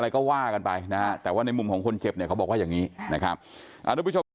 อะไรก็ว่ากันไปแต่ว่าในมุมของคนเจ็บเนี่ยเขาบอกว่าอย่างนี้นะครับ